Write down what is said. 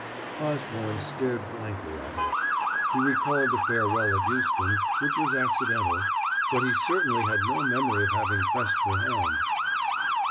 Osborne stared blankly at her. He recalled the farewell at Euston, which was accidental, but he certainly had no memory of having pressed her hand.